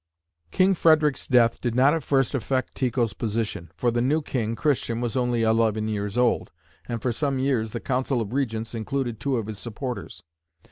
King Frederick's death did not at first affect Tycho's position, for the new king, Christian, was only eleven years old, and for some years the council of regents included two of his supporters.